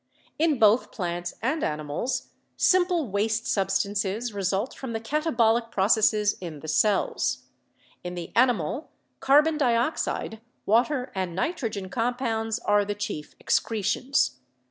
In both plants and animals simple waste substances re sult from the katabolic processes in the cells. In the ani mal carbon dioxide, water and nitrogen compounds are the chief excretions.